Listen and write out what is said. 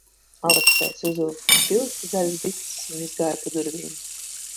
Aleksejs uzvilka spilgti zaļas bikses un izgāja pa durvīm.